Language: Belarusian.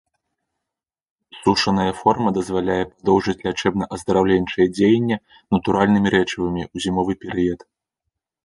Сушаная форма дазваляе падоўжыць лячэбна-аздараўленчае дзеянне натуральнымі рэчывамі ў зімовы перыяд.